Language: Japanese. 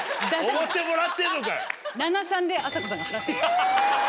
おごってもらってんのかよ！